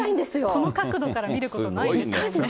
この角度から見ることないですよね。